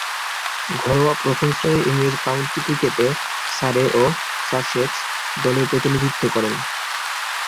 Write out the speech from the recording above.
ঘরোয়া প্রথম-শ্রেণীর ইংরেজ কাউন্টি ক্রিকেটে সারে ও সাসেক্স দলের প্রতিনিধিত্ব করেন।